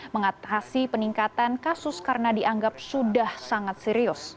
mengatasi peningkatan kasus karena dianggap sudah sangat serius